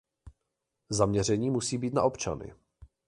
Zaměření musí být na občany.